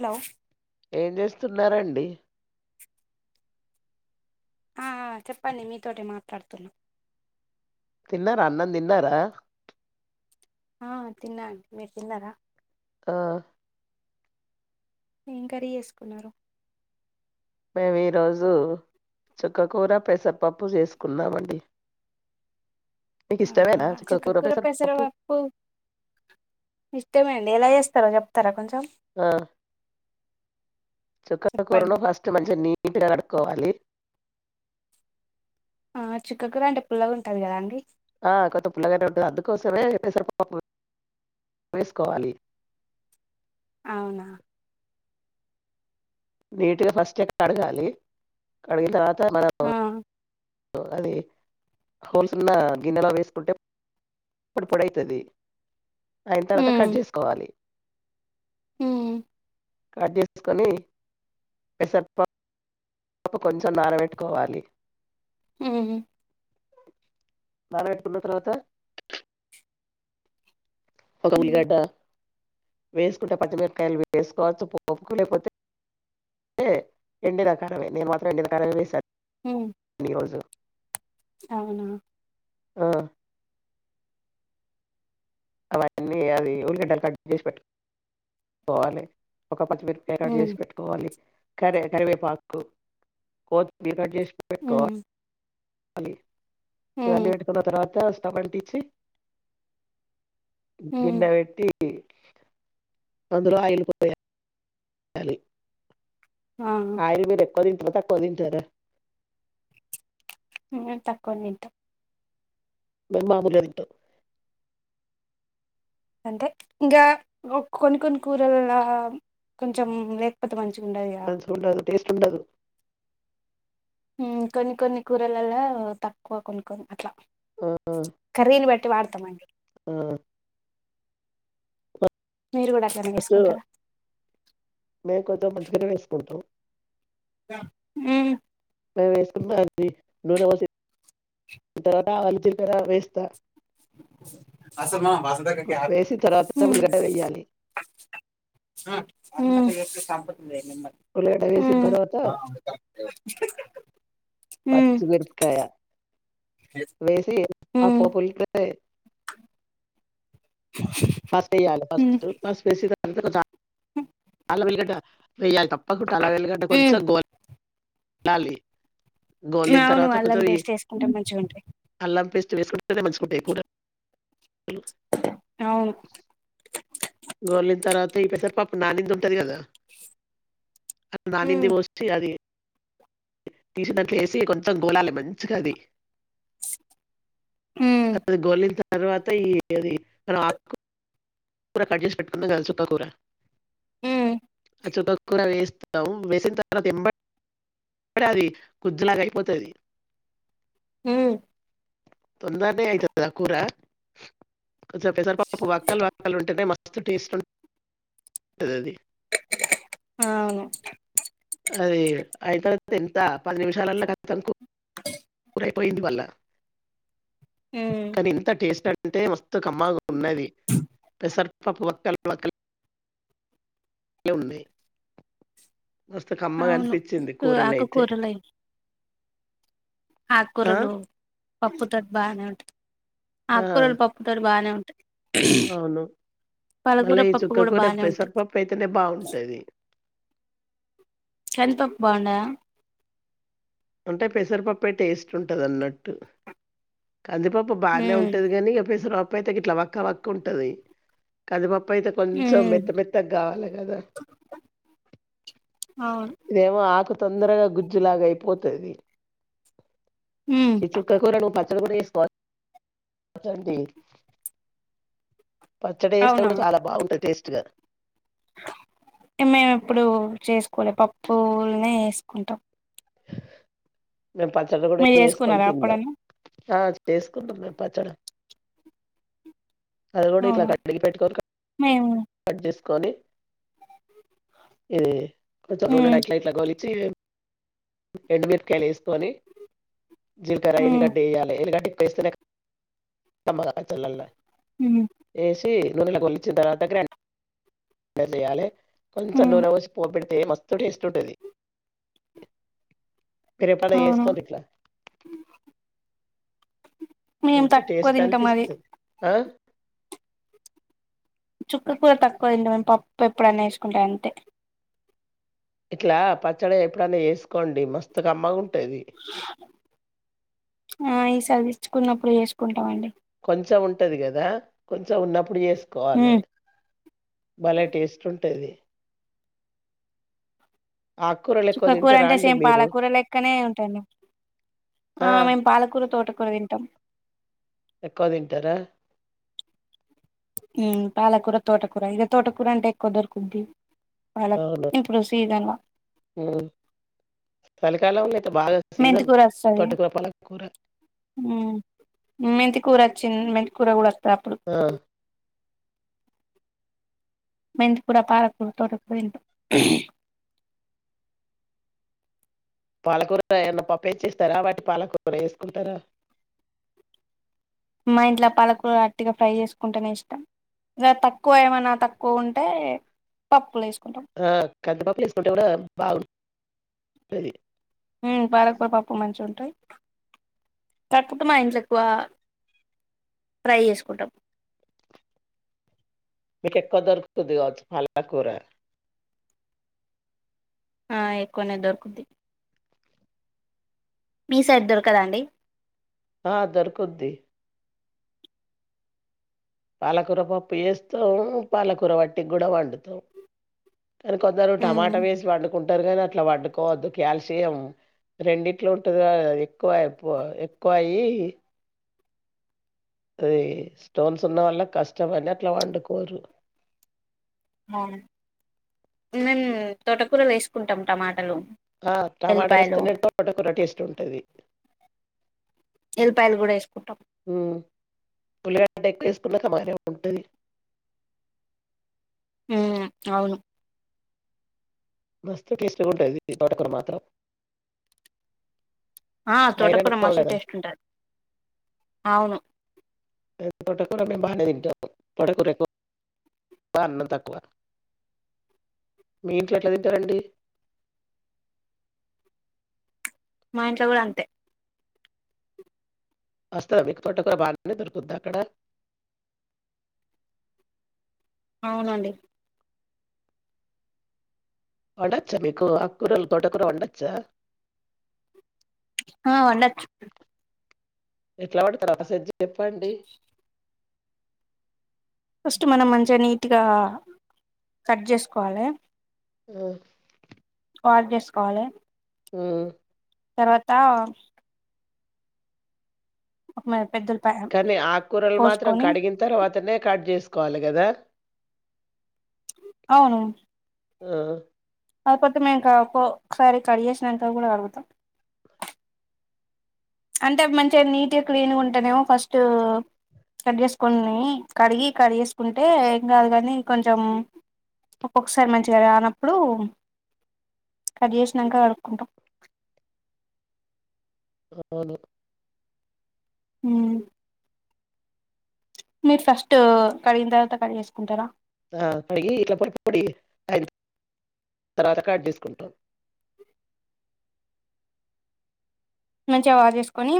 Hello ఏం చేస్తున్నారండి ఆ చెప్పండి మీతోటి మాట్లాడుతున్నా తిన్నారా అన్నం తిన్నారా ఆ తిన్నా అండి మీరు తిన్నారా ఆ ఏం క్రీ చేసుకున్నారు మేము ఈరోజు చుక్కకూర పెసరపప్పు చేసుకున్నామండి మీకు అవునా ఇష్టమేనా చుక్కకూర చక్కకుర పసర పెసరపప్పు వప్పు అండి ఎలా చేస్తారో చెప్తారా కొంచెం ఆ చుక్కా కూరను చెప్పండి ఫస్ట్ మంచిగా నీట్గా కడుక్కోవాలి ఆ చిక్కకుర అంటే పుల్లగా ఉంటుంది కదా అండి ఆ కొత్త పుల్లగానే ఉంటుది అందుకోసమే వసారు పాప వేసుకోవాలి అవునా నీట్గా ఫస్ట్ ఎ కడగాలి కడిగిన తర్వాత మనం ఆ సో అది హోల్స్ ఉన్న గిన్నెలా వేసుకుంటే పడు పొడివుతుది అయిన తర్వాత కట్ ఉమ్ చేసుకోవాలి ఉమ్ కాట్ చేసుకొనిస లోప కొంచెం నానబెట్టుకోవాలి ఆ నాన పెట్టుకున తర్వాత ఒక ఉమ్ ఉలిగడ్డ వేసుకుంటే పచ్చిమిరకాయలు వేసుకోవచ్చు పోకోలేకపోతే ఎండి రకారమే నేను మాత్రం ఎండురకారమే వేశాను ఉమ్ ఈ రోజు అవునా ఆ అవన్నీ అది ఉల్లిగెడలు గంటలు క చేసి పెట్టు పోవాలి ఒక కరివేపాకు కట్ ఉమ్ చేసి పెట్టుకోవాలి కరివే కరివేపాకు కోతిమీ కట్ చేసి కు ఉమ్ అ ఇవన్నీ ఉమ్ పెట్టుకున్న తర్వాత స్టవ్ అంటి ఇచ్చి ఉమ్ గిన్నె పెట్టి అందులో ఆయిలిపోయారు ఆ ఆయుర్వేదక్ [unintelligible] మేం తక్కువనే ఇంటం [unintelligible] అంటే ఇంగా కొన్ని కొన్ని కూరల కొంచెం లేకపోతే మంచి మంచిగుండదు టేస్ట్ ఉండదు ఊమ్ కొన్ని కొన్ని కూరలల్ల తక్కువ కొన్ని కొన్ని అట్లా ఆ కర్రీలు వెట్టి వాడతామండి ఆ మీరు కూడా అట్లనే ఫస్ట్ చేసుకుంటారా మే కొంచం మంచిగనే వేసుకుంటాం ఊ నేన్ వేస్కున్న అని నూనె వోసి అ తర్వాత ఆలు జిల్కర వేస్త వేసి తర్వాత హ్మ్ ఉల్గడ వేయాలి ఊ ఊ ఉల్లిగడ్డ వేసిన తర్వాత పచ్చిమిరపకాయ వేసీ ఆ పోపుల్ [inaudible] పస్ప్ ఎయ్యాలే ఫస్ట్ పస్ప్ ఏసి దా [inaudible] అల్ల వెల్గడ్డ వెయ్యాలి, తప్పకుంటా అల్ల వెల్గడ హ్మ్ హ్మ్. కొంచెం గో [inaudible] లాలి గోలిన్ అవును తర్వాత అల్లం కొంచెం ఈ పేస్ట్ వేసుకుంటే మంచిగుంటది అల్లం పేస్ [unintelligible] [inaudible] అవును గోలిన్ తర్వాత ఈ పెసర్ పప్పు నానిన్ది ఉంటది గదా నానింది హ్మ్ వోసి అది తీసిన్ దాంట్లో ఏసీ కొంతం గోలాలె మంచిగ అది హ్మ్ అది గోలిన తర్వాత ఈ అది మనం అప్కొ కూర కడ్జేసి పెట్టుకున్నం గా చుక్కకూర హ్మ్ చుక్కకూర వేస్తాం వేసిన తర్వాత ఎంబ [unintelligible] అది గుజ్జు లాగా అయిపోతది ఊ తొందరనే అయితది ఆ కూర కొంచెం వక్కల్ వక్కల్ ఉంటెనే మస్ స్తు టేస్ట్ ఉం [inaudible] టది అది అవును అదీ అయిత తెంత పది నిమిషాలల్ల కతం కు పొయింది మళ్ళ హ్మ్ కానీ ఇంత టేస్ట్ అంటే మస్తు కమ్మగ ఉన్నది పెసర్పప్పు వక్కల్ వక్కల్ లున్నయ్ మస్తు కమ్మగా అవును అనిపిచ్చింది కూరనైతే ఆకుకూరలు ఆక్కూరలు పప్పు తోట్ బానే ఉంట, ఆ, అక్కూరలు పప్పుతోట్ బానే ఉన్. అవును మళ్ళ పాలకూర ఈ పప్పు చుక్క కూడా కూరకు బానే ఉంటది పెసరపప్పు అయితేనే బావుంటది. కంద్పప్ బాగుండదా ఉంటే పెసరపప్పే టేస్ట్ ఉంటదన్నట్టు కందిపప్పు బానే ఉమ్ ఉంటది గానీ, ఇగ పెసరప్పు అయితే ఇట్లా వక్క వక్క ఉంటది కందిపప్. పైతే కొంచెం ఉమ్ మెత్త మెత్తగ్ గావాలే కదా అవును ఇదేమో ఆకు తొందరగా గుజ్జులాగా అయి పోతది ఉమ్ ఈ చుక్క కూరను పచ్చడ గూడా చేస్కొ [unintelligible] పచ్చడ ఏస్తే గూడా చాలా బాగుంటద్ టేస్ట్ గా మేం ఎప్పుడూ చేసుకోలే, పప్పుల్నే ఏసుకుంటాం. మేమ్ పచ్చడ గూడా మీరు ఏస్కొని చేసుకున్నారా తిన్నం, ఎప్పుడన్నా ఆ చేసుకుంటం మేం పచ్చడ. అది గూడా ఇట్ల అవునా గట్టిగ పెట్టుకొని కా మేము కట్ చేసుకొండి ఇది కొెంచం ఉమ్ నూడుె ఎట్ల ఎట్లా కోలి చెయు ఎండుమిరపకాయలు ఏసుకుని జీలకర్ర ఉమ్ ఎల్లుగడ్డ ఎయాలె ఎల్లుగడ్డ ఎక్కుేస్తేనేమ్ల్ల [unintelligible] హుమ్ తి నూన్ కొలిచ్చ తర్వాత కం [unintelligible] ఇట్ల చేయాలె కొంచెం ఉమ్ నూనె పోసి పోపు పెడితే మస్తు టేస్ట్ ఉంటది ఇక రేపన్న అవును చేసుకొండి ఇట్లా మేము మంచి తక్కువ టేస్ట్ తింటాం అది అనిపిస్తది ఆ చుక్క కూర తక్కువైంది‌ మేమ్ పప్పు ఎప్పుడైన్నా వేసుకుంటా అంతే ఇట్లా పచ్చడి ఎప్పుడన్న ఏసుకోండి మస్తు కమ్మగుంట ఆ ఈసార్ తెచ్చుకున్నప్పుడు చేసుకుంటామండీ కొంచెం ఉంటది కదా కొంచెం ఉన్నప్పుడు చేస్ స్కోవాలె ఉమ్ బలే టేస్ట్ ఉంటది ఆకుకూరలు ఎక్కువ చుక్కకూర తింటారా అంటే అండి సేమ్ మీరు పాలకూర లెక్కనే ఉంటుంది ఆ మేము పాలకూర తోట కూర దింటం ఎక్కువ దింటరా పాలకూర తోటకూర ఇద తోటకూర అంటే ఎక్కువ దొరుకుద్ది అవును ఇప్పుడు సీజన్ ఉమ్ చలికాలంలో అయితే బాగా సీజన్ మెంతికూర వస్తది తోటకూర పాలకూర ఉమ్ మెంతికూర చిన్ మెంతి కూర కూడ వస్తాఅప్పుడు ఆ మెంతి కూర పాలకుర తోటకూర తింటాం పాలకూర ఎమైన పప్పు ఏస్చ్చేస్తార వాటి పాలకూర వేసుకుంటరా మా ఇంట్లో పాలకూర అట్టిగ ఫ్రై చేసుకుంటేనే ఇష్టం ఇగ తక్కువ ఏమనా తక్కువ ఉంటే పప్పులేస్ ఆ కందిపప్పులో వేసుకుంటే కూడ బాగుంట అది ఉమ్ పాలకూర పప్పు మంచి ఉంటయి తక్కు మా ఇంట్లో ఎక్కువ ఫ్రై చేసుకుంటాం మీకే ఎక్కువ దోరుకుతందీ కావచ్చు పాలకూర ఆ ఎక్కువనే దొరుకుద్ది మీ సైడ్ దొరకదా అండి ఆ దొరుకుద్ది పాలకూర పప్పు చేస్తాం పాలకూర వట్టికి కూడా వండుతాం కానీ కొందరు ఉమ్ టమాటా వేసి వండుకుంటారు కానీ అట్లా వండుకోవద్దు కాల్షియం రెండిట్లో ఉంటదిగ ఎక్కువైపో ఎక్కువ అయి అదీ స్టోన్స్ ఉన్న వాల్ల కష్టపని అట్ల వండుకోరు మ్ మేమ్ తోటకూర వేసుకుంటాం టమాటాలో ఆ టమాట వేస్తనే తోట కూర టేస్ట్ ఉంటుంది ఎల్లిపాయలు కూడా వేసుకుంటాం ఉమ్ పులి అంటే ఎక్కువ ఇస్ పున్నక మాారె ఉంటది ఉమ్ అవును మస్తు టేస్ట్ గా ఉంటది ఇ తోట కూరా మాత్రం ఆ ఐరన్ తోటకూర ఎక్కువ మస్తు కదా టేస్ట్ ఉంటది అవును తోటకుర మేము బానే తింటాము తోటకుర ఎక్కువ అన్నం తక్కువ మీ ఇంట్లో ఎట్ల తింటారండి మా ఇంట్లో కూడ అంతే వస్తార మీకు తోట కూర బాగానే దొరుకుద్దా అక్కడ అవునండి వండచ్చ మీకు అక్కురల్ తోటకుర వండచ్చ ఆ వండచ్చ ఎట్లపడతారు ఒకసారి చెప్పండి ఫస్ట్ మనం మంచిగా నీట్గా కట్ జేసుకోవాలె ఉమ్ వాశజేసుకోవాలి ఉమ్ తర్వాత ఒక మ కానీ ఆకూరలు మాత్రం కడిగిన తర్వాతనే కట్ చేసు కోవాలి గదా అవును ఆ కాకపోతే మే ఒకసారి కడిగెసినంకా కూడా కడుగుతాం అంటే మంచిగా నీట్గా క్లీన్గా ఉంటానేమో ఫస్ట్ కట్ చేసుకోని కడిగి కట్ చేేసుకుంటే ఏం కాదు కానీ కొంచెం ఒక్కొక్కసారి మంచిగా రానప్పుడు కట్ జెశినంక కడుకుంట అవును ఉమ్ మీరు ఫస్ట్ కడిగిన తర్వాత కడిగేసుకుంటారా ఆ కడిగి వీట్లా పోయి పోడి తర్వాత కట్ జేసుకుంటాం మంచిగా వా చేేసుకొని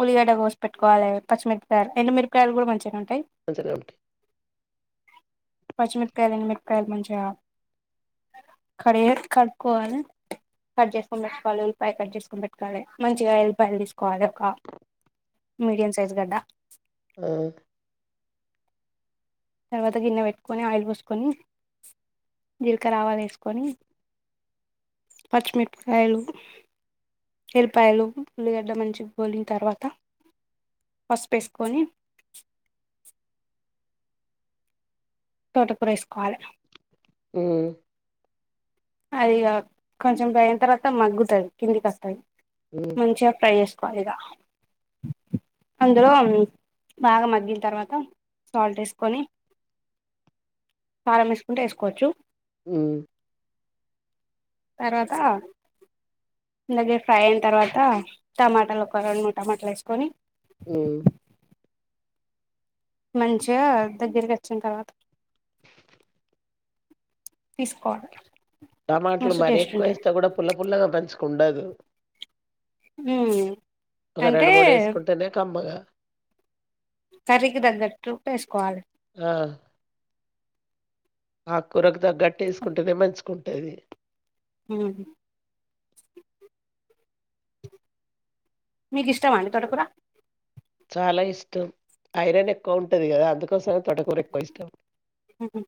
ఉల్లిగడ్డ కోోసి పెట్టుకోవాలి పచ్చిమిరపకాయలు ఎండుమిరకాయలు కూడా మంచిగా ఉంటుయి మంచిగనే ఉంటాయి. పచ్చమిరపకాయ్ మ ప్రై మంచిగ కడి కడుక్కకోవాలి కట్ చేసుకొని పెట్టుకోవాలి ఉల్లిపాయ కట్ చేసుకని పెట్టుకోవాలి మంచిగా ఎల్పాయలు తీసుకోవాలి ఒక మీడియం సైజు గడ్డ ఉమ్ తర్వాత గిన్నె బెట్టుకొని ఆయిల్ పోసుకొని జీలకరావాలు వేసుకొని పచ్చిమిరపకాయలు ఎల్పాయలు ఉల్లిగడ్డ మంచి గోలింగ్ తర్వాత పసుపేసుకొని తోటకురేసుకోవాలి ఉమ్ అదిగ కొంచెం పోయిన తర్వాత మగ్గుతాది కిందికి వస్తాయి హ్మ్. మంచిగా ఫ్రై జేసుకోవాలిగ అందులో బాగా మగ్గిన తర్వాత సాల్ట్ వేసుకొని కారం యేసుకుంటే వేసుకోవచ్చు ఉమ్ తర్వాత అలాగే ఫ్రై అయిన తర్వాత టమాటాలు ఒక రెండు మూడు టమాటాలు వేసుకొని ఉమ్ మంచిగా దగ్గరికి వచ్చిన తర్వాత తీసుకోవాలి టమాట్లు మస్తు మరీ టేస్ట్ ఉంటాయి ఎక్కువేస్తే కూడా పుల్ల పుల్లగా పెంచుకుండదు ఉమ్ ఒగ అంటే రెండు మూడేసుకుంటేనే కమ్మగా సరికి తగ్గలుప్పేసుకోవాలి ఆక్కురకు తగ్గట్టేసుకుంటేనే మంచిగుంటది ఉమ్ మీకు ఇష్టమ అండి తొటకుర చాల ఇష్టం ఐరన్ ఎక్కువ ఉంటది కదా అందుకోసమే తోటకూర ఎక్కువ ఇష్టం మ్మ్.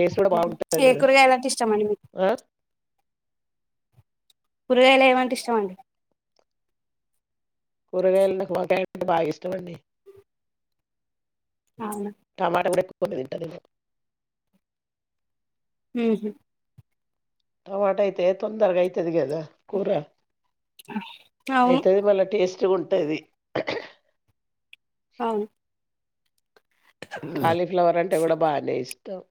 టేస్ట్ కూడ మ్మ్. బాగుంటది ఏ కదా కూరగాయలు అంటే ఇష్టం అండి మీకు కూరగాయలు ఏమంటే ఇష్టమండి కూరగాయలలో వంకాయ అంటే బగా ఇష్టమండి అవునా టమాట కూడ [inaudible] హు హు టమాట అయితే తొందరగా అయితదిగ కదా కూర అవును అయితది మళ టేస్ ఉంటది అవును కాలీఫ్లవర్ అంటే కూడ బానే ఇష్టం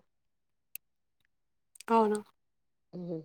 అవున ఉ